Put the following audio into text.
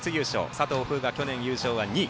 佐藤風雅、去年優勝は２位。